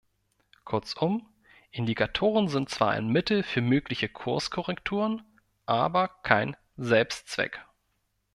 Kurzum, Indikatoren sind zwar ein Mittel für mögliche Kurskorrekturen, aber kein Selbstzweck.